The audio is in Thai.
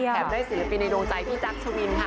ได้ศิลปินในดวงใจพี่จักรชวินค่ะ